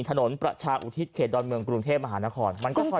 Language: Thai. ถนนประชาอุทิศเขตดอนเมืองกรุงเทพมหานคร